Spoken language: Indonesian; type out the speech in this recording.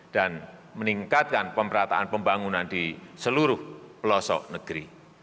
dan meningkatkan pemerataan pembangunan di seluruh pelosok negeri